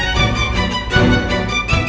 apaan berapa ramahku dunia